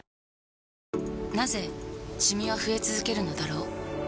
なぜシミは増え続けるのだろう